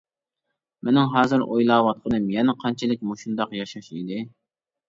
مېنىڭ ھازىر ئويلاۋاتقىنىم يەنە قانچىلىك مۇشۇنداق ياشاش ئىدى.